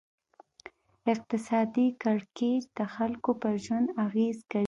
اقتصادي کړکېچ د خلکو پر ژوند اغېز کوي.